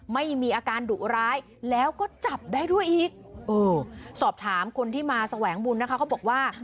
ไม่มีอาการดุร้ายแล้วก็จับได้ด้วยอีกเออสอบถามคนที่มาแสวงบุญนะคะเขาบอกว่า